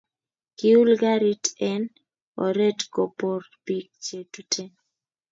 Kiul karit en oret kopar pik che Tuten